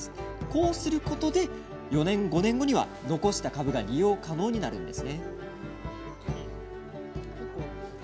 こうすることで４、５年後には残した株が利用可能になるんです。